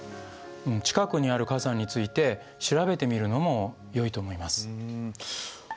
近くにある火山について調べてみるのもよいと思います。